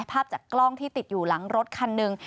ภาพจากกล้องที่ติดอยู่หลังรถคันหนึ่ง